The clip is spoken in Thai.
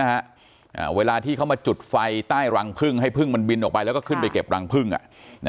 อ่าเวลาที่เขามาจุดไฟใต้รังพึ่งให้พึ่งมันบินออกไปแล้วก็ขึ้นไปเก็บรังพึ่งอ่ะนะ